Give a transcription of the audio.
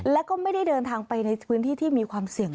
แล้วก็ไม่ได้เดินทางไปในพื้นที่ที่มีความเสี่ยง